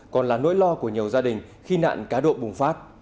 còn là nỗi lo của nhiều gia đình khi nạn cá độ bùng phát